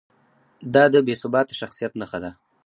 دا د بې ثباته شخصیت نښه ده.